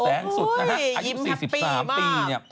อายุ๔๓ปีเนี่ย